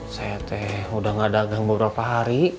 saya teh udah gak dagang beberapa hari